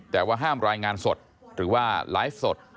แต่ว่าห้ามรายงานสดหรือว่าไลฟ์สด